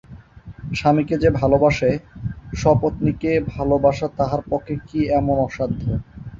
স্বামীকে যে ভালোবাসে, সপত্নীকে ভালোবাসা তাহার পক্ষে কী এমন অসাধ্য।